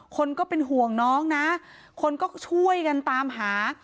คนก็เป็นห่วงน้องนะคนก็ช่วยกันตามหา